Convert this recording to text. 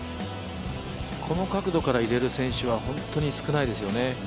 この角度から入れれる選手は本当に少ないですよね。